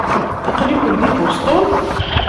Aql-iken di Boston?